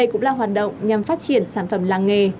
các hoạt động nhằm phát triển sản phẩm làng nghề